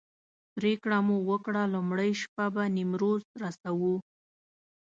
پرېکړه مو وکړه لومړۍ شپه به نیمروز رسوو.